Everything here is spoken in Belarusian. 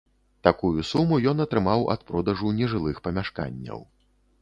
Такую суму ён атрымаў ад продажу нежылых памяшканняў.